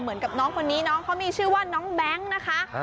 เหมือนกับน้องคนนี้น้องเขามีชื่อว่าน้องแบงค์นะคะ